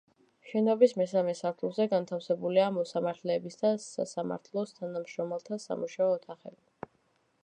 შენობის მესამე სართულზე განთავსებულია მოსამართლეების და სასამართლოს თანამშრომელთა სამუშაო ოთახები.